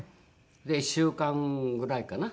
で１週間ぐらいかな？